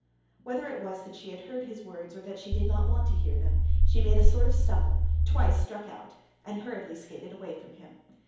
Whether it was that she had heard his words, or that she did not want to hear them, she made a sort of stumble, twice struck out, and hurriedly skated away from him.